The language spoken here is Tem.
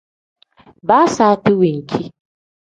Baa saati wenki.